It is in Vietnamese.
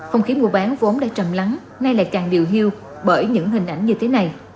không khí mua bán vốn đã trầm lắng nay lại càng điều hưu bởi những hình ảnh như thế này